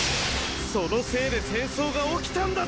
そのせいで戦争が起きたんだぞ！